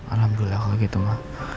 alhamdulillah kalau gitu ma